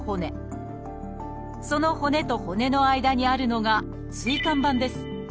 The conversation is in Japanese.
その骨と骨の間にあるのが椎間板です。